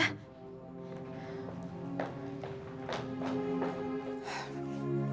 terima kasih ya